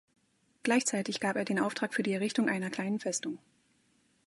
Gleichzeitig gab er den Auftrag für die Errichtung einer kleinen Festung.